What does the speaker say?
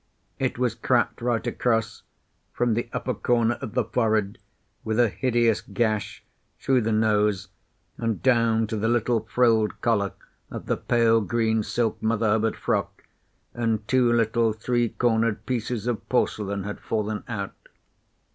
It was cracked right across, from the upper corner of the forehead, with a hideous gash, through the nose and down to the little frilled collar of the pale green silk Mother Hubbard frock, and two little three cornered pieces of porcelain had fallen out.